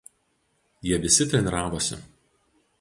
Jie visi treniravosi.